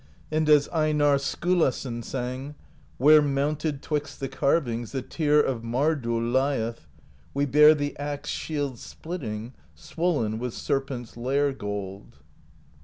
And as Einarr Skiilason sang: Where, mounted 'twixt the carvings. The Tear of Mardoll lieth, We bear the axe shield splitting. Swollen with Serpent's lair gold.